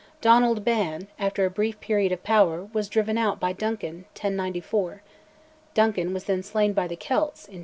Donald Ban, after a brief period of power, was driven out by Duncan (1094); Duncan was then slain by the Celts (1094).